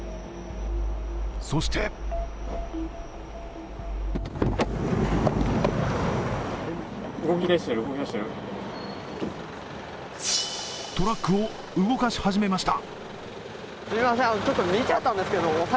そしてトラックを動かし始めました。